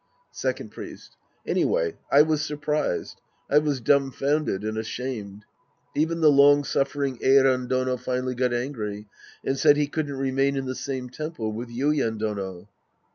Second Priest. Anyway I was surprised. I was dumfounded and ashamed. Even the long sufiering Eiren Dono finally got angry and said he couldn't remain in the same temple with Yuien Dono.